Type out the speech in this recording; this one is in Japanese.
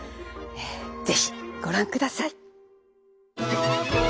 ぜひご覧ください。